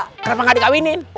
kenapa gak dikawinin